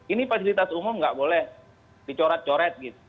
ini fasilitas umum nggak boleh dicoret coret gitu